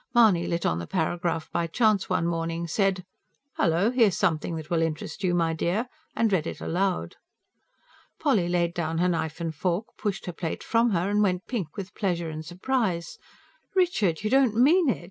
Mahony lit on the paragraph by chance one morning; said: "Hullo! Here's something that will interest you, my dear," and read it aloud. Polly laid down her knife and fork, pushed her plate from her, and went pink with pleasure and surprise. "Richard! You don't mean it!"